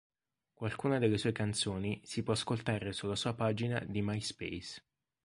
Qualcuna delle sue canzoni si può ascoltare sulla sua pagina di MySpace.